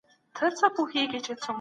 پلان جوړونه په اقتصاد کي ستر رول لري.